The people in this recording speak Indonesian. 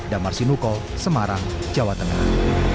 damar sinuko semarang jawa tengah